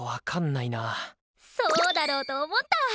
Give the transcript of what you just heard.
そうだろうと思った。